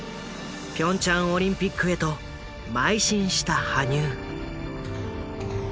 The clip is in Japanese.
ピョンチャンオリンピックへと邁進した羽生。